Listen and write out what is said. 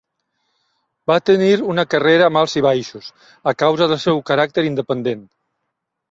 Va tenir una carrera amb alts i baixos a causa del seu caràcter independent.